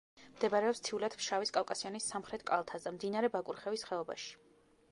მდებარეობს მთიულეთ-ფშავის კავკასიონის სამხრეთ კალთაზე, მდინარე ბაკურხევის ხეობაში.